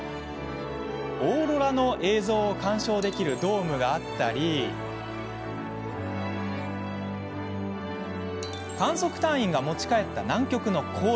オーロラの映像を鑑賞できるドームがあったり観測隊員が持ち帰った南極の氷。